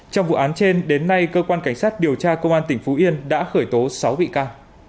trong vụ án trên đến nay cơ quan cảnh sát điều tra công an tỉnh phú yên đã khởi tố sáu bị ca